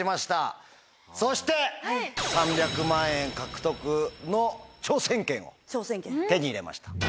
そして３００万円獲得の挑戦権を手に入れました。